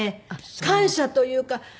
感謝というか。